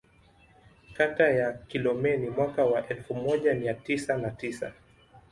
Kata ya Kilomeni mwaka wa elfu moja mia tisa na tisa